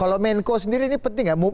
kalau menko sendiri ini penting gak